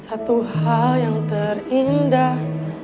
satu hal yang terindah